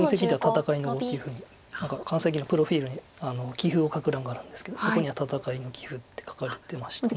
戦いの碁っていうふうに何か関西棋院のプロフィールに棋風を書く欄があるんですけどそこには戦いの棋風って書かれてました。